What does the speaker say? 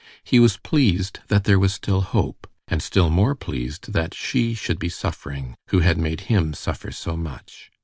He was pleased that there was still hope, and still more pleased that she should be suffering who had made him suffer so much.